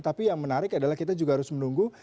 tapi yang menarik adalah kita juga harus menunggu